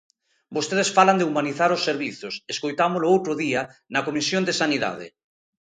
Vostedes falan de humanizar os servizos, escoitámolo o outro día na Comisión de Sanidade.